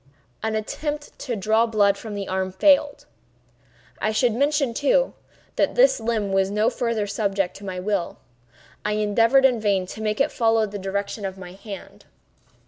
An attempt to draw blood from the arm failed. I should mention, too, that this limb was no farther subject to my will. I endeavored in vain to make it follow the direction of my hand.